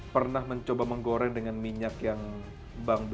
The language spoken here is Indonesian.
pernah mencoba menggoreng dengan minyak yang bang ben